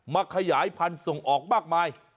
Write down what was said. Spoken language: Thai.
ขยายพันธุ์ส่งออกมากมาย